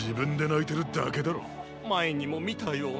まえにもみたような。